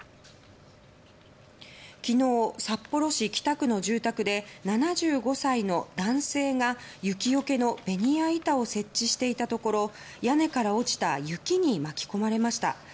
昨日、札幌市北区の住宅で７５歳の男性が雪よけのベニヤ板を設置していたところ屋根から落ちた雪に巻き込まれました。